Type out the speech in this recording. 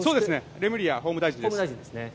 レムリヤ法務大臣です。